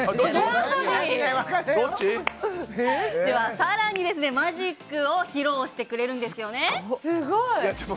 さらにマジックを披露してくれるんですよね。